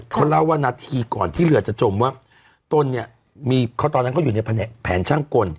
เขาเล่าว่านาทีก่อนที่เรือจะจมว่าตนเนี่ยมีตอนนั้นเขาอยู่ในแผนช่างกล